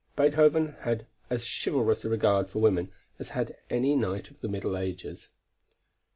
Beethoven had as chivalrous a regard for women as had any knight of the middle ages.